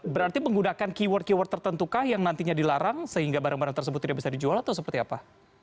berarti menggunakan keyword keyword tertentu kah yang nantinya dilarang sehingga barang barang tersebut tidak bisa dijual atau seperti apa